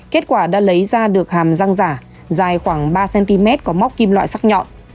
kết quả đã lấy ra được hàm răng giả dài khoảng ba cm có móc kim loại sắc nhọn